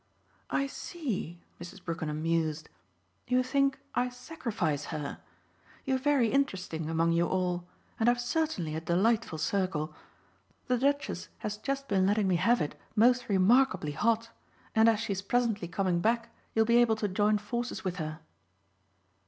"I see," Mrs. Brookenham mused; "you think I sacrifice her. You're very interesting among you all, and I've certainly a delightful circle. The Duchess has just been letting me have it most remarkably hot, and as she's presently coming back you'll be able to join forces with her."